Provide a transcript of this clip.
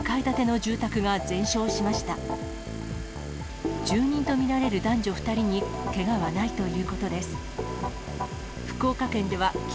住人と見られる男女２人にけがはないということです。